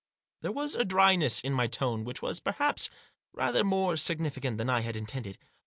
There was a dryness in my tone which was, perhaps, rather more significant than I had intended.